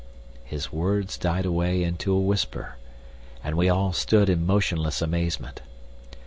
His words died away into a whisper, and we all stood in motionless amazement.